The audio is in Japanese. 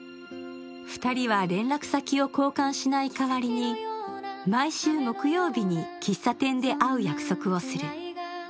２人は連絡先を交換しないかわりに、毎週木曜日に喫茶店で会う約束をする。